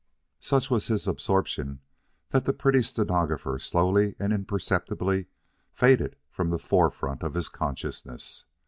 Such was his absorption that the pretty stenographer slowly and imperceptibly faded from the forefront of his consciousness.